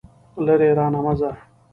لرې رانه مه ځه.